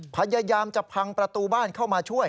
พยายามจะพังประตูบ้านเข้ามาช่วย